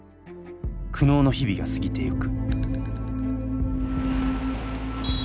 苦悩の日々が過ぎていく。